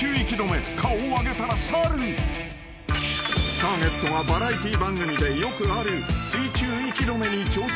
［ターゲットがバラエティー番組でよくある水中息止めに挑戦］